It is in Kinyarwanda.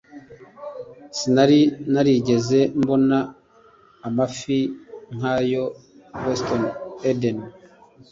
Sinari narigeze mbona amafi nk'ayo. (WestofEden)